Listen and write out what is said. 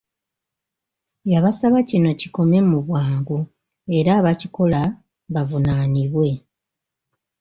Yabasaba kino kikome mu bwangu era abakikola bavunaanibwe.